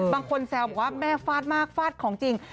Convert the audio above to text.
แซวบอกว่าแม่ฟาดมากฟาดของจริง